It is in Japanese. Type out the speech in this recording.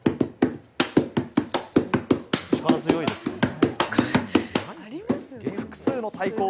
力強いですよね。